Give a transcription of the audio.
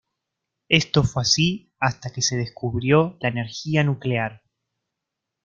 Esto fue así hasta que se descubrió la energía nuclear.